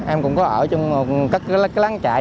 em cũng có ở trong các láng chạy